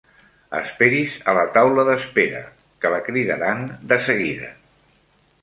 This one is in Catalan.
Esperi's a la taula d'espera, que la cridaran de seguida.